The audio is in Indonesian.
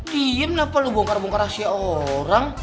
diem kenapa lu bongkar bongkar rahasia orang